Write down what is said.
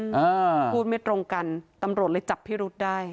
อ่าพูดไม่ตรงกันตำรวจเลยจับพิรุษได้